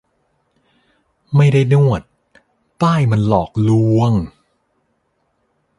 ไม่ได้นวด ป้ายมันหลอกลวงงง